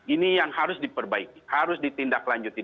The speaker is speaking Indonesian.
ini yang harus diperbaiki harus ditindaklanjuti